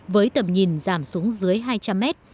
với tầm nhìn giảm xuống dưới hai trăm linh mét